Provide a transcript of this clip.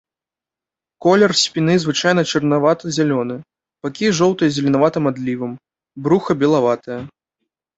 Колер спіны звычайна чарнавата-зялёны, бакі жоўтыя з зеленаватым адлівам, бруха белаватае.